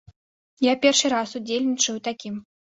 Я першы раз удзельнічаю ў такім.